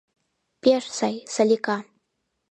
— Пеш сай, Салика.